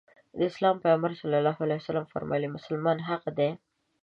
د اسلام پيغمبر ص وفرمايل مسلمان هغه دی.